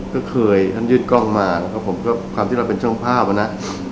ก็เคยท่านยืดกล้องมาความที่เราเป็นช่องภาพนะ